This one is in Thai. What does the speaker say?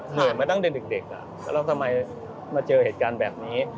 เหนื่อยมาตั้งแต่เด็กแล้วทำไมมาเจอเหตุการณ์แบบนี้